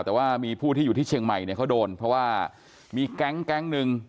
แต่ว่ามีผู้ที่อยู่ที่เชียงใหม่เนี่ยเขาโดนเพราะว่ามีแก๊งหนึ่ง